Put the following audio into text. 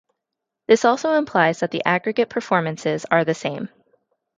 This also implies that the aggregate preferences are the same.